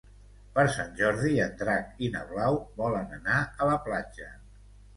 Per Sant Jordi en Drac i na Blau volen anar a la platja.